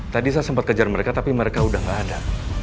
tadi saya sempat kejar mereka tapi mereka udah gak ada